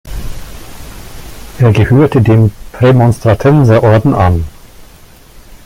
Er gehörte dem Prämonstratenserorden an.